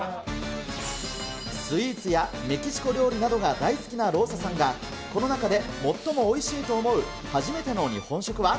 スイーツやメキシコ料理などが大好きなローサさんが、この中で最もおいしいと思う初めての日本食は。